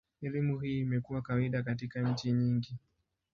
Elimu hii imekuwa kawaida katika nchi nyingi.